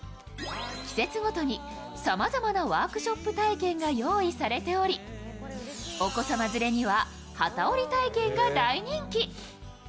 季節ごとにさまざまワークショップ体験が用意されておりお子様連れには機織り体験が大人気。